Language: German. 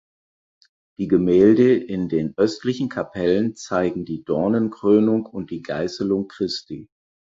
Die Gemälde in den östlichen Kapellen zeigen die Dornenkrönung und die Geißelung Christi.